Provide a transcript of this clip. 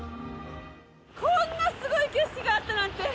こんなすごい景色があったなんて。